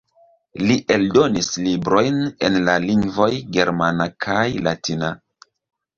Li eldonis librojn en la lingvoj germana kaj latina.